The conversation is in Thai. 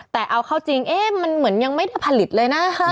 แต่เอาเข้าจริงเอ๊ะมันเหมือนยังไม่ได้ผลิตเลยนะ